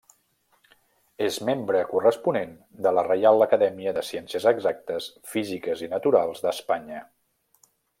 És membre corresponent de la Reial Acadèmia de Ciències Exactes, Físiques i Naturals d'Espanya.